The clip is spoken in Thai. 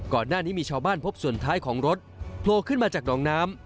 ก่อนหน้านี้มีชาวบ้านพบส่วนท้ายของรถโผล่ขึ้นมาจากหนองน้ำ